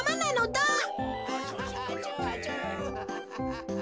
ハハハハ。